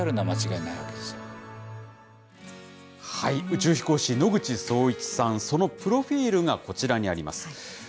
宇宙飛行士、野口聡一さん、そのプロフィールがこちらにあります。